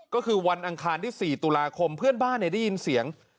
ก็คือวันอังคารที่๔ตุลาคมเพื่อนบ้านได้ยินเสียง